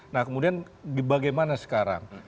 nah kemudian bagaimana sekarang